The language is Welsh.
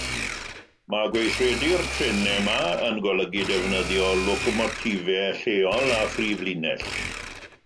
Mae gweithredu'r trenau yma yn golygu defnyddio locomotifau lleol a phrif linell.